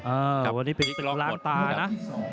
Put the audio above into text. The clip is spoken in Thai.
อ่าวันนี้เป็นตึกล้างตานะ